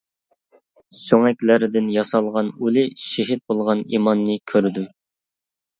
سۆڭەكلەردىن ياسالغان ئۇلى، شېھىت بولغان ئىماننى كۆردۈم.